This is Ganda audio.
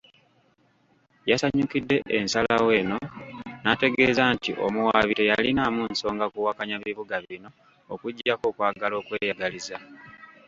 Yasanyukidde ensalawo eno n'ategeeza nti omuwaabi teyalinaamu nsonga kuwakanya bibuga bino okuggyako okwagala okweyagaliza.